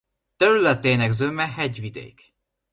Területének zöme hegyvidék.